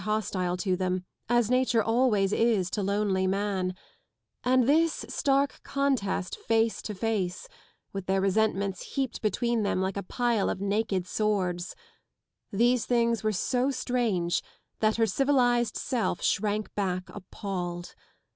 } hostile to them, as nature always is to lonely man : and this stark contest face to face, with their resentments heaped between them like a pile of naked swords ŌĆö these things were so strange that her civilised self shrank back appalled.